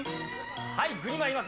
はい、具にまいります。